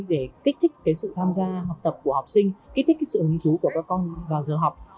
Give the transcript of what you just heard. để kích thích cái sự tham gia học tập của học sinh kích thích cái sự hình thú của các con vào giờ học